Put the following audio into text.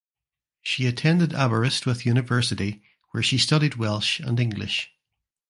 She attended Aberystwyth University where she studied Welsh and English.